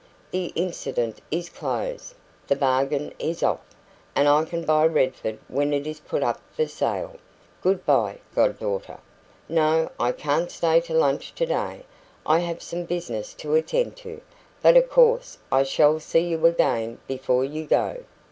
The incident is closed. The bargain is off. And I can buy Redford when it is put up for sale. Goodbye, goddaughter. No, I can't stay to lunch today; I have some business to attend to. But of course I shall see you again before you go."